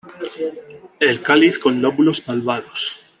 El cáliz con lóbulos valvados.